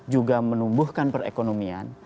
juga menumbuhkan perekonomian